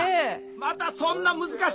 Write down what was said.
またそんな難しいとこ。